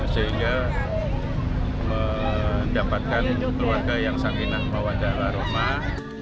sehingga mendapatkan keluarga yang sakinah mawadah warahmat